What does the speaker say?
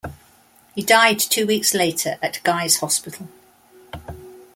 He died two weeks later at Guy's Hospital.